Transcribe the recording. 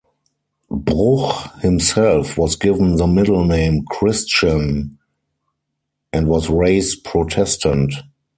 Bruch himself was given the middle name Christian and was raised Protestant.